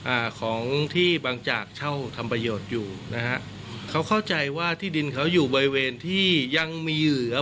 อ่าของที่บางจากเช่าทำประโยชน์อยู่นะฮะเขาเข้าใจว่าที่ดินเขาอยู่บริเวณที่ยังมีเหลือ